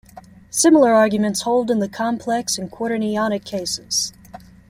Similar arguments hold in the complex and quaternionic cases.